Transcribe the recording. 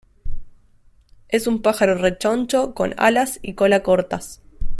Es un pájaro rechoncho con alas y cola cortas.